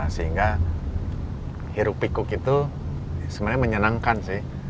sehingga hiruk pikuk itu sebenarnya menyenangkan sih